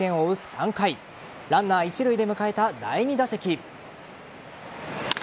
３回ランナー一塁で迎えた第２打席。